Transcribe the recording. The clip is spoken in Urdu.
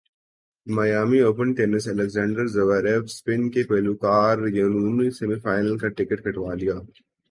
Miami Open tennis Alexander Zverev اورسپین کے پبلو کارینو نے سیمی فائنل کا ٹکٹ کٹوا لیا